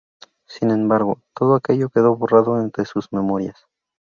Sin embargo todo aquello quedó borrado de sus memorias.